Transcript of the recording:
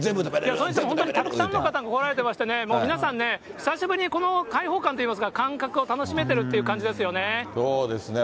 それにしても、たくさんの方が来られてましてね、もう皆さんね、久しぶりにこの開放感といいますか、感覚を楽しめてるって感そうですね、